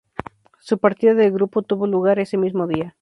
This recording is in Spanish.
Su partida del grupo tuvo lugar ese mismo día.